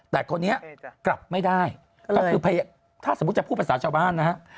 แต่คนนี้กลับไม่ได้ก็คือถ้าสมมุติจะพูดภาษาชาวบ้านนะครับ